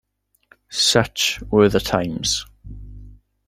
Such were the times.